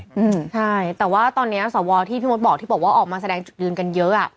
อืมใช่แต่ว่าตอนเนี้ยสวที่พี่มดบอกที่บอกว่าออกมาแสดงจุดยืนกันเยอะอ่ะ